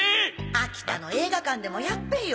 秋田の映画館でもやっぺよ。